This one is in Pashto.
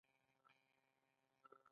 دریم په پوځ کې کار کول دي.